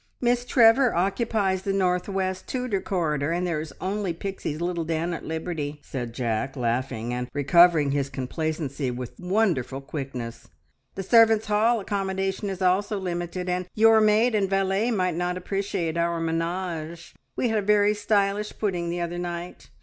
Miss Trevor occupies the north west Tudor corridor, and there is only Pixie's little den at liberty," said Jack, laughing, and recovering his complacency with wonderful quickness. "The servants' hall accommodation is also limited, and your maid and valet might not appreciate our menage. We had a very stylish pudding the other night.